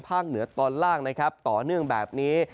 เหนือตอนล่างนะครับต่อเนื่องแบบนี้